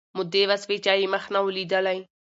مودې وسوې چا یې مخ نه وو لیدلی